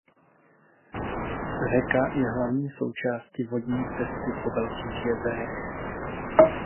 Řeka je hlavní součástí vodní cesty po "Velkých jezerech".